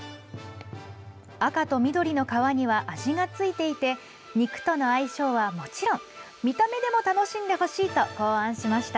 赤と緑の皮には味がついていて肉との相性はもちろん見た目でも楽しんでほしいと考案しました。